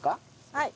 はい。